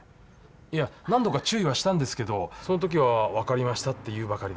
いや何度か注意はしたんですけどその時は「分かりました」って言うばかりで。